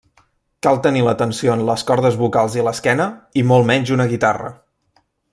Cal tenir la tensió en les cordes vocals i l'esquena, i molt menys una guitarra.